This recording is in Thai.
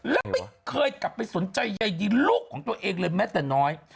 ดูแลทันทีแล้วไม่เคยกลับไปสนใจใยดีลูกของตัวเองเลยแม้แต่น้อย